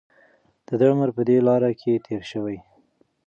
د ده عمر په دې لاره کې تېر شوی.